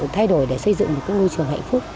thay đổi để xây dựng một ngôi trường hạnh phúc